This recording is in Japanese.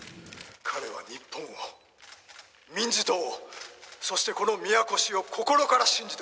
「彼は日本を民自党をそしてこの宮越を心から信じておりました」